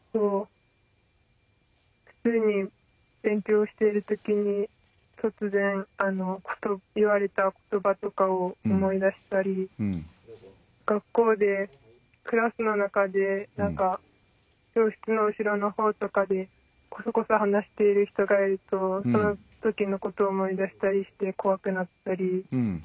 普通に勉強している時に突然ふと言われた言葉とかを思い出したり学校でクラスの中で教室の後ろのほうとかでこそこそ話している人がいるとその時のことを思い出したりして怖くなったりしますね。